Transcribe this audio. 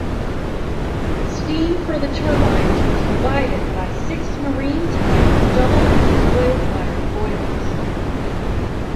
Steam for the turbines was provided by six Marine-type double-ended oil-fired boilers.